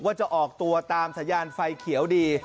ว่าจะออกตัวตามสัญญาณไฟเขียวดี